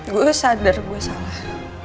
gue sadar gue salah